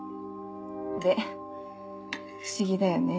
で不思議だよね。